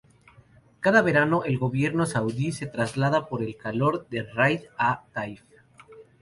Cada verano, el Gobierno saudí se traslada por el calor de Riad a Taif.